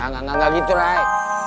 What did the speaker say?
gak gak gak gitu ray